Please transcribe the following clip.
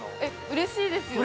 ◆うれしいですよ。